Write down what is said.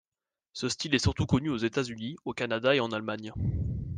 Ce style est surtout connu aux États-Unis, au Canada et en Allemagne.